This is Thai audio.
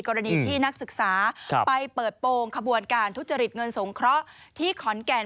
กรณีที่นักศึกษาไปเปิดโปรงขบวนการทุจริตเงินสงเคราะห์ที่ขอนแก่น